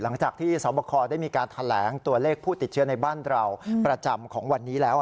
หลังจากที่สอบคอได้มีการแถลงตัวเลขผู้ติดเชื้อในบ้านเราประจำของวันนี้แล้ว